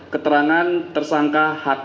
keterangan tersangka hk